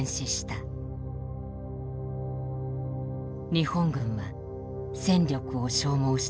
日本軍は戦力を消耗していた。